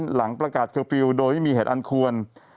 หลังประกาศเคอร์ฟิลล์โดยไม่มีเหตุอันควร